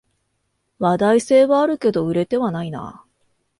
話題性はあるけど売れてはないな